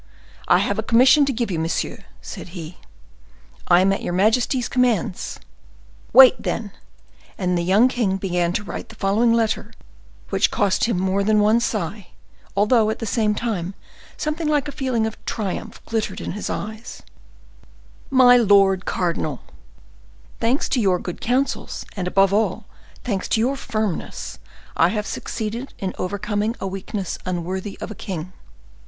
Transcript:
"I have a commission to give you, monsieur," said he. "I am at your majesty's commands." "Wait, then." And the young king began to write the following letter, which cost him more than one sigh, although, at the same time, something like a feeling of triumph glittered in his eyes: "MY LORD CARDINAL,—Thanks to your good counsels, and, above all, thanks to your firmness, I have succeeded in overcoming a weakness unworthy of a king.